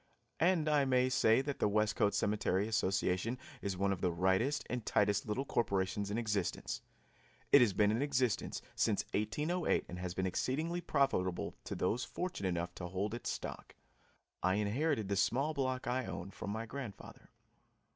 And I may say that the Westcote Cemetery Association is one of the rightest and tightest little corporations in existence. It has been in existence since 1808 and has been exceedingly profitable to those fortunate enough to hold its stock. I inherited the small block I own from my grandfather.